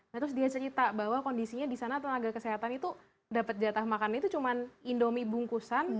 nah terus dia cerita bahwa kondisinya di sana tenaga kesehatan itu dapat jatah makan itu cuma indomie bungkusan